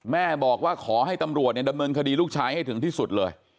แม่บอกว่าขอให้ตำรวจดำเนินคดีลูกชายให้ถึงที่สุดเลย